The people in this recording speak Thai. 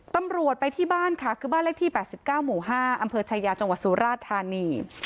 ตำรวจไปที่บ้านค่ะคือบ้านเลขที่๘๙หมู่๕อำเภอชายาจังหวัดสุราชธานี